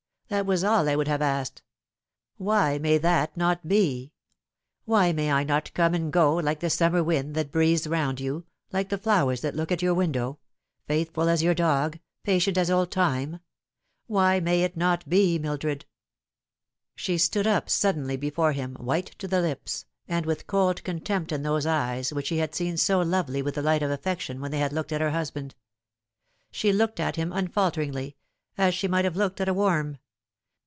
That was all I would have asked. Why may that not be ? Why may I not come and go, like the summer wind that breathes round you, like the flowers that look in at your window faithful as your dog, patient as old Time ? Why may it not be, Mildred ?" She stood up suddenly before him, white to the lips, and with cold contempt in those eyes which he had seen so lovely with the light of affection when they had looked at her husband. She looked at him unfalteringly, as she might have looked at a worm.